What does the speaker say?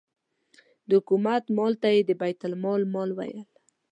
د حکومت مال ته یې د بیت المال مال ویل.